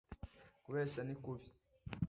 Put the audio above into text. Kubeshya ni kubi